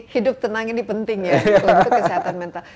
hidup tenang ini penting ya untuk kesehatan mental